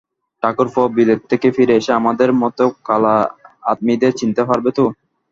ঠাকুরপো, বিলেত থেকে ফিরে এসে আমাদের মতো কালা আদমিদের চিনতে পারবে তো?